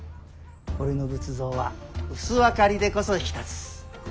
俺の仏像は薄明かりでこそ引き立つ。